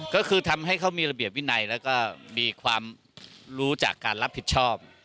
ก็คือทำให้เขามีระเบียบวินัยแล้วก็มีความรู้จากการรับผิดชอบ